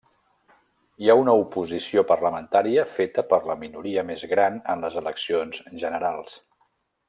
Hi ha una oposició parlamentària feta per la minoria més gran en les eleccions generals.